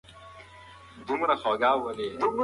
حیواناتو ته اوبه ورکړئ.